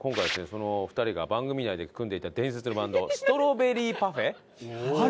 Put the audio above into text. その２人が番組内で組んでいた伝説のバンドストロベリーパフェ？あるんだ。